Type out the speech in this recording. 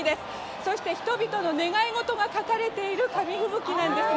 そして人々の願い事が書かれている紙吹雪なんですね。